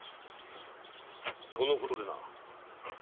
このことでな。